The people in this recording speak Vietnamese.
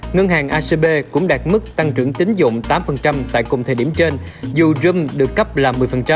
ngân hàng acb cũng đạt mức tăng trưởng tính dụng tám tại cùng thời điểm trên dù reom được cấp là một mươi